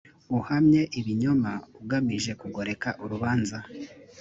uhamye ibinyoma ugamije kugoreka urubanza